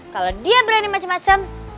kalo dia berani macem macem